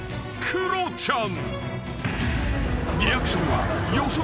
クロちゃん。